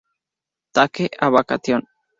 Take a Vacation!